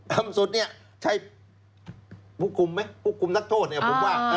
ต่ำสุดเนี่ยใช่ผู้คุมไหมผู้คุมนักโทษเนี่ยผมว่า